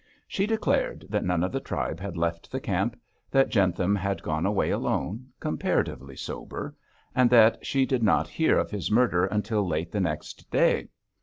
She declared that none of the tribe had left the camp; that Jentham had gone away alone, comparatively sober; and that she did not hear of his murder until late the next day.